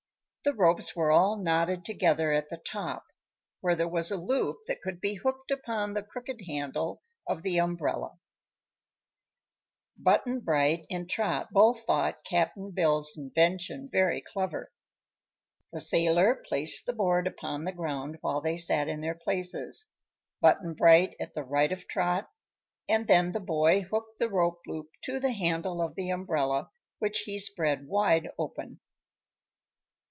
The ropes were all knotted together at the top, where there was a loop that could be hooked upon the crooked handle of the umbrella. Button Bright and Trot both thought Cap'n Bill's invention very clever. The sailor placed the board upon the ground while they sat in their places, Button Bright at the right of Trot, and then the boy hooked the rope loop to the handle of the umbrella, which he spread wide open.